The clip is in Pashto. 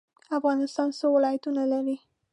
افغانستان څو ولایتونه لري؟